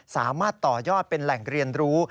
สามารถต่อยอดเป็นแหล่งเรียนรู้